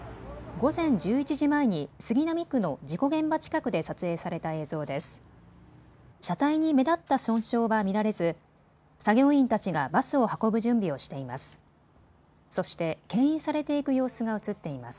午前１１時前に杉並区の事故現場近くで撮影された映像です。